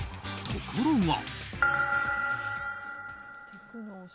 ところが。